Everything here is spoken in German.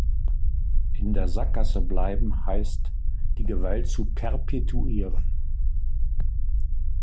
In der Sackgasse bleiben, heißt, die Gewalt zu perpetuieren.